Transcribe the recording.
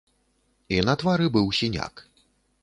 І на твары быў сіняк.